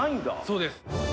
そうです。